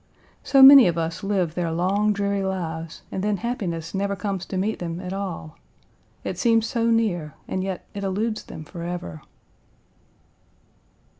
So many of us live their long, dreary lives and then happiness never comes to meet them at all. It seems so near, and yet it eludes them forever.